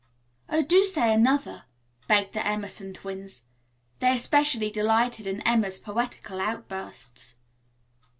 "Oh, do say another," begged the Emerson twins. They especially delighted in Emma's poetical outbursts.